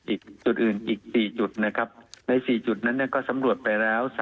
อีกจุดอื่นอีก๔จุดนะครับใน๔จุดนั้นก็สำรวจไปแล้ว